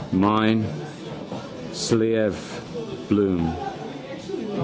Mine. Slieve Bloom.